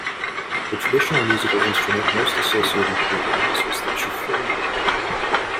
The traditional musical instrument most associated with the islands was the "chifournie".